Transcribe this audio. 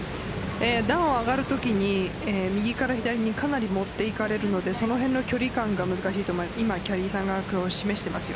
段を上がるときに右から左にかなり持って行かれるのでその辺の距離感が難しいと思います。